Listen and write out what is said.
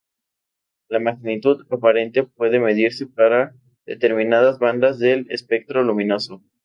La magnitud aparente puede medirse para determinadas bandas del espectro luminoso.